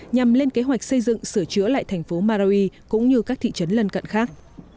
nhằm lên kế hoạch xây dựng sửa chữa lại thành phố marawi cũng như các thị trấn lân cận khác